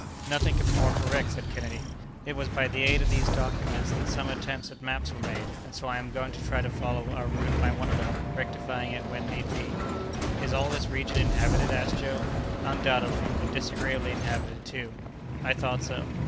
"Nothing could be more correct," said Kennedy. "It was by the aid of these documents that some attempts at maps were made, and so I am going to try to follow our route by one of them, rectifying it when need be." "Is all this region inhabited?" asked Joe. "Undoubtedly; and disagreeably inhabited, too." "I thought so."